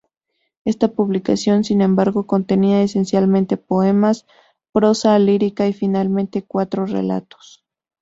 Esta publicación, sin embargo, contenía esencialmente poemas, prosa lírica y finalmente cuatro relatos.